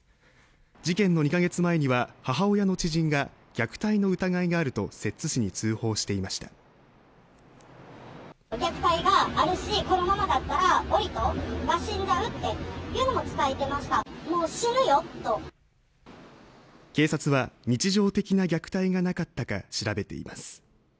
事件の２か月前には母親の知人が虐待の疑いがあると摂津市に通報していました警察は日常的な虐待がなかったか調べています